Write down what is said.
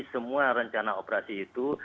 semua rencana operasi itu